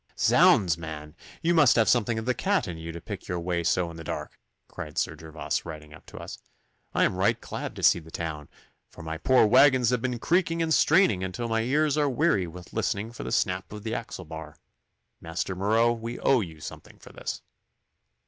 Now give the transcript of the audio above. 'Zounds, man! you must have something of the cat in you to pick your way so in the dark,' cried Sir Gervas, riding up to us. 'I am right glad to see the town, for my poor waggons have been creaking and straining until my ears are weary with listening for the snap of the axle bar. Master Marot, we owe you something for this.